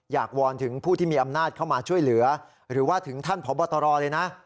วอนถึงผู้ที่มีอำนาจเข้ามาช่วยเหลือหรือว่าถึงท่านพบตรเลยนะ